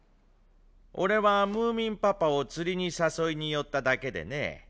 俺はムーミンパパを釣りに誘いに寄っただけでね。